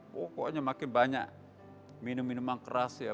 pokoknya makin banyak minum minuman keras ya